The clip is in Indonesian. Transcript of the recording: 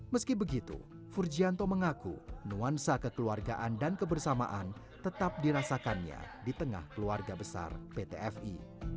meski begitu furgianto mengaku nuansa kekeluargaan dan kebersamaan tetap dirasakannya di tengah keluarga besar pt fi